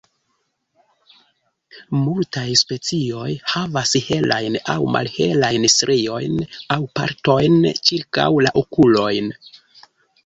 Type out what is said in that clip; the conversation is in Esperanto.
Multaj specioj havas helajn aŭ malhelajn striojn aŭ partojn ĉirkaŭ la okulojn.